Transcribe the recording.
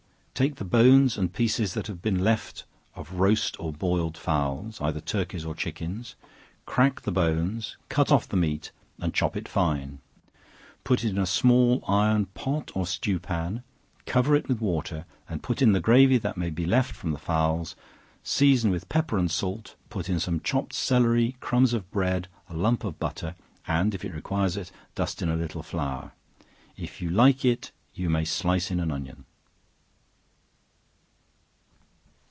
Take the bones and pieces that have been left of roast or boiled fowls, either turkeys or chickens, crack the bones, cut off the meat, and chop it fine, put it in a small iron pot, or stew pan, cover it with water, put in the gravy that may be left from the fowls, season with pepper and salt, put in some chopped celery, crumbs of bread, a lump of butter, and if it requires it, dust in a little flour, if you like it you may slice in an onion.